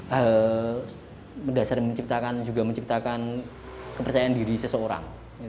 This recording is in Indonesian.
mendasar menciptakan juga menciptakan kepercayaan diri seseorang